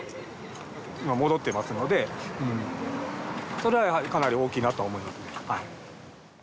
それはやはりかなり大きいなと思いますね。